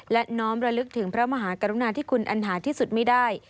และน้อมระลึกถึงพระมหากรุณาที่คุณอันหาที่สุดไม่ได้